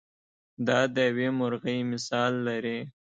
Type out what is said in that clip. دا د یوې مرغۍ مثال لري.